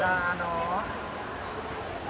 เอาเรื่องต่อไป